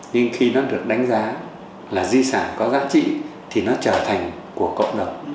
nhưng khi nó được đánh giá là di sản có giá trị thì nó trở thành của cộng đồng